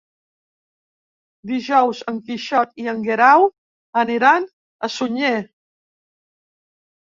Dijous en Quixot i en Guerau aniran a Sunyer.